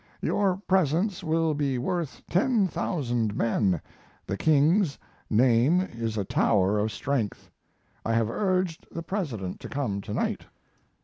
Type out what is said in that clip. "Your presence will be worth ten thousand men. The king's name is a tower of strength." I have urged the President to come to night.